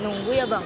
nunggu ya bang